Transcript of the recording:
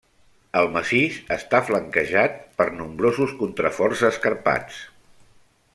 El massís està flanquejat per nombrosos contraforts escarpats.